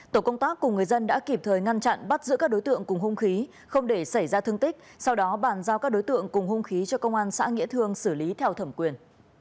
tổ công tác cùng người dân đã kịp thời ngăn chặn bắt giữ các đối tượng cùng hung khí không để xảy ra thương tích sau đó bàn giao các đối tượng cùng hung khí cho công an xã nghĩa thương xử lý theo thẩm quyền